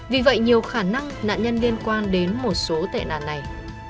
vì vậy nhiều khả năng nạn nhân liên quan đến một số tệ nạn này